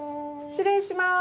失礼します。